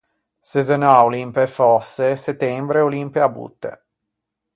Se zenâ o l’impe e fòsse, settembre o l’impe a botte.